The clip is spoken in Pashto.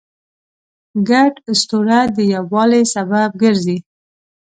ګډ اسطوره د یووالي سبب ګرځي.